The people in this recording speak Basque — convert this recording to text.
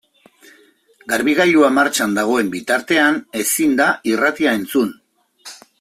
Garbigailua martxan dagoen bitartean ezin da irratia entzun.